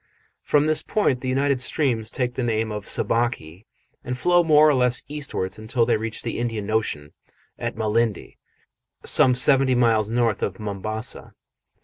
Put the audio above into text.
From this point the united streams take the name of Sabaki and flow more or less eastwards until they reach the Indian Ocean at Malindi, some seventy miles north of Mombasa.